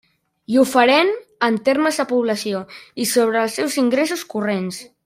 I ho farem en termes de població i sobre els seus ingressos corrents.